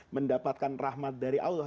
mendapatkan rahmat dari allah